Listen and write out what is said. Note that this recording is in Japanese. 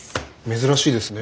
珍しいですね。